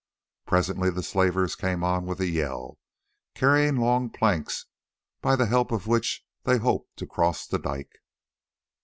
Presently the slavers came on with a yell, carrying long planks, by the help of which they hoped to cross the dike.